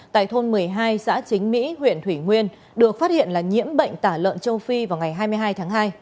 tại thôn một mươi hai xã chính mỹ huyện thủy nguyên được phát hiện là nhiễm bệnh tả lợn châu phi vào ngày hai mươi hai tháng hai